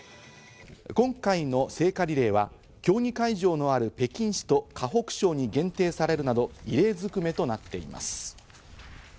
今回の聖火リレーは競技会場のある北京市と河北省に限定されるなど、異例づくめとなっています。